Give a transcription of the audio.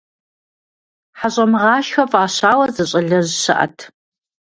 ХьэщӀэмыгъашхэ фӀащауэ, зы щӀалэжь щыӀэт.